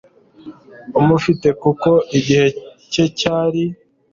amufate kuko igihe o cye cyari